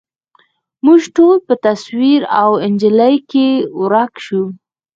موږ ټول په تصویر او انجلۍ کي ورک شوو